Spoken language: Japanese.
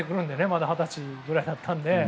まだ二十歳ぐらいだったので。